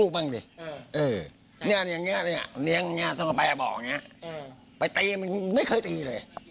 ไปตีมันไม่เคยตีเลย